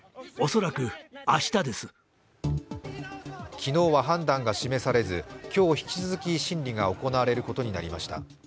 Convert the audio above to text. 昨日は判断が示されず今日引き続き審理が行われることになりました。